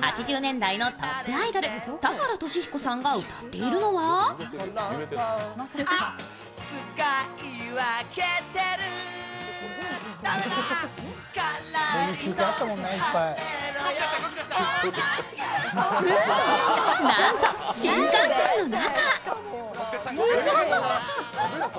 ８０年代のトップアイドル田原俊彦さんが歌っているのはなんと新幹線の中！